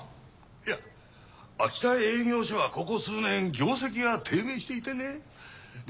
いや秋田営業所はここ数年業績が低迷していてねで